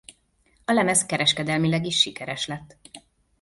A lemez kereskedelmileg is sikeres lett.